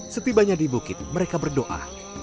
setibanya di bukit mereka berdoa